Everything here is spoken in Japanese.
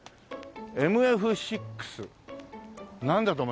「ＭＦ６」なんだと思います？